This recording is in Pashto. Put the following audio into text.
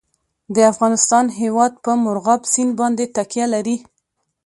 د افغانستان هیواد په مورغاب سیند باندې تکیه لري.